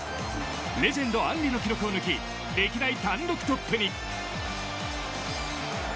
レジェンド・アンリの記録を抜き歴代単独トップに。